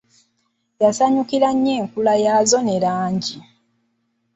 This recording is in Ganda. Nasanyukira nnyo enkula yaazo ne langi.